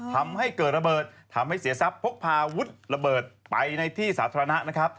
ทำให้เกิดระเบิดทำให้เสียทรัพย์พกพาวุฒิระเบิดไปในที่สาธารณะนะครับ